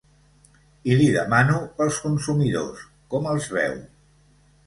I li demano pels consumidors, com els veu.